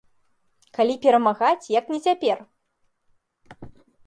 Калі перамагаць, як не цяпер?